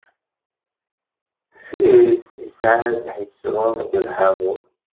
Firiṣ isɛad Ḥiṣrun akked Ḥamul.